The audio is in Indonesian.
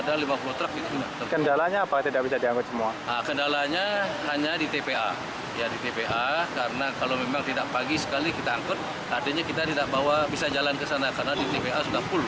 artinya kita tidak bisa jalan ke sana karena di tpa sudah puluh